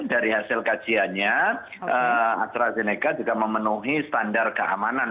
dari hasil kajiannya astrazeneca juga memenuhi standar keamanan